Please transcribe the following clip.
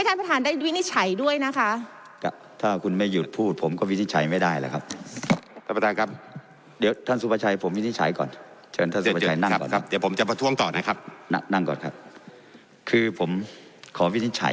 ถ้าสมาชิกยืนขึ้นและยกมือพลศีรษะ